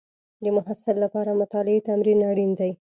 د محصل لپاره مطالعې تمرین اړین دی.